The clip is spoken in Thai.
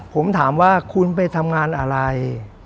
ผมถามว่าคุณไปทำงานอะไร